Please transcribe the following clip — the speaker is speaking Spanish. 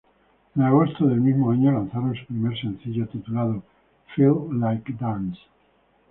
En agosto del mismo año lanzaron su primer sencillo, titulado ""Feel Like dance"".